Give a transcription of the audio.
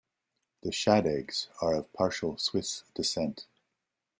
The Shadeggs are of partial Swiss descent.